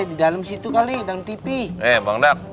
di dalam situ kali dalam tv